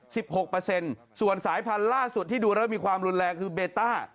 หกเปอร์เซ็นต์ส่วนสายพันธุ์ล่าสุดที่ดูแล้วมีความรุนแรงคือเบต้า